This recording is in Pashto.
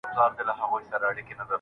هغه څوک چي کار کوي پرمختګ کوي.